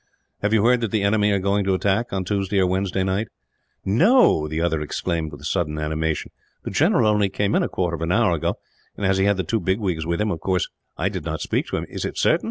"Have you heard that the enemy are going to attack, on Tuesday or Wednesday night?" "No!" the other exclaimed, with a sudden animation. "The general only came in a quarter of an hour ago and, as he had the two bigwigs with him, of course I did not speak to him. Is it certain?